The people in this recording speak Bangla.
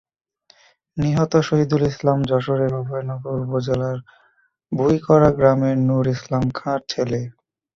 নিহত শহিদুল ইসলাম যশোরের অভয়নগর উপজেলার বুইকরা গ্রামের নূর ইসলাম খাঁর ছেলে।